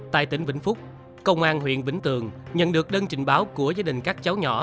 tại tỉnh vĩnh phúc công an huyện vĩnh tường nhận được đơn trình báo của gia đình các cháu nhỏ